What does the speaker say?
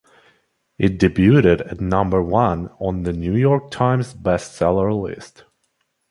It debuted at number one on "The New York Times" Best Seller list.